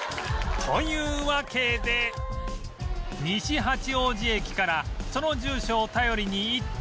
というわけで西八王子駅からその住所を頼りに行ってみると